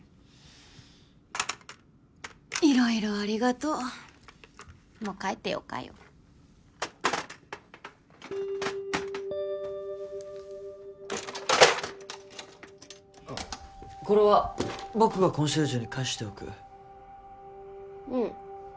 色々ありがとうもう帰ってよかよこれは僕がコンシェルジュに返しておくうん